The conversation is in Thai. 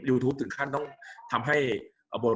กับการสตรีมเมอร์หรือการทำอะไรอย่างเงี้ย